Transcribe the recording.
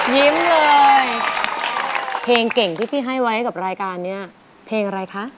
ยิ้มเลยเพลงเก่งที่พี่ให้ไว้กับรายการนี้เพลงอะไรคะ